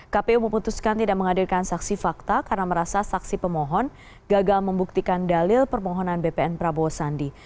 kpu memutuskan tidak menghadirkan saksi fakta karena merasa saksi pemohon gagal membuktikan dalil permohonan bpn prabowo sandi